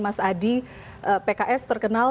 mas adi pks terkenal